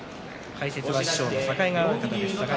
解説は師匠の境川親方です。